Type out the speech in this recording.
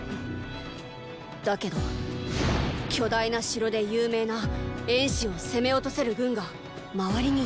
だけど巨大な城で有名な衍氏を攻め落とせる軍が周りにいないよ。